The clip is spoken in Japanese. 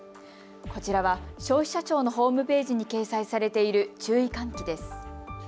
こちらは消費者庁のホームページに掲載されている注意喚起です。